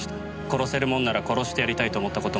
殺せるもんなら殺してやりたいと思った事もあります。